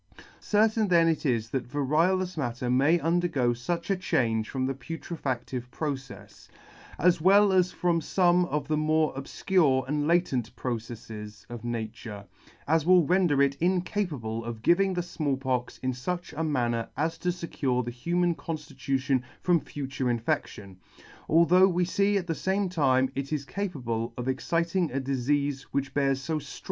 Certain then it is that variolous matter may undergo fuch a M 2 change [ 84 ] change from the putrefactive procefs, as well as from fome of the more obfcure and latent proceffes of nature, as will render it incapable of giving the Small Pox in fuch a manner as to fecure the human conftitution from future infection, although we fee at the fame time it is capable of exciting a difeafe which bears fo ffror.